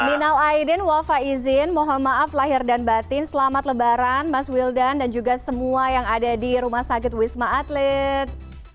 minal aidin wafa izin mohon maaf lahir dan batin selamat lebaran mas wildan dan juga semua yang ada di rumah sakit wisma atlet